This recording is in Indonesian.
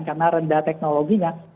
karena rendah teknologinya